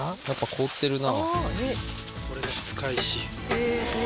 凍ってるな。